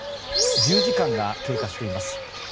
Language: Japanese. １０時間が経過しています。